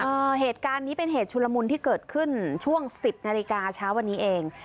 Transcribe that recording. เหตุการณ์นี้เป็นเหตุชุลมุนที่เกิดขึ้นช่วงสิบนาฬิกาเช้าวันนี้เอง